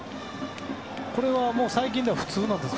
これは、最近では普通なんですか？